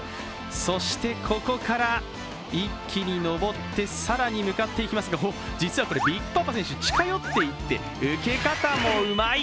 そして、ここから一気に登って、更に向かっていきますが実はこれ、ビッグパパ選手近寄っていって受け方もうまい！